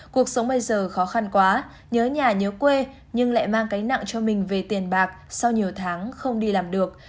cuộc sống bây giờ khó khăn quá nhớ nhà nhớ quê nhưng lại mang cái nặng cho mình về tiền bạc sau nhiều tháng không đi làm được